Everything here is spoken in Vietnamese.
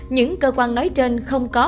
những cơ quan nói trên không có